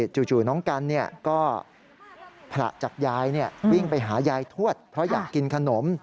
จู่น้องกันก็ผละจากยายวิ่งไปหายายทวดเพราะอยากกินขนม